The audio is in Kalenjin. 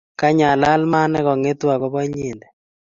Kany alal maat ne kang'etu akobo inyete